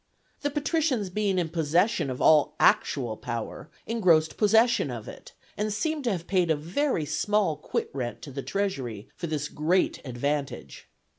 The patricians being in possession of all actual power, engrossed possession of it, and seem to have paid a very small quit rent to the treasury for this great advantage.